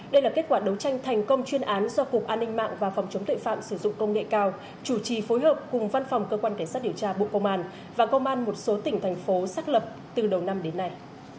đây là kết quả đấu tranh thành công chuyên án do cục an ninh mạng và phòng chống tuệ phạm sử dụng công nghệ cao chủ trì phối hợp cùng văn phòng cơ quan cảnh sát điều tra bộ công an và công an một số tỉnh thành phố xác lập từ đầu năm đến nay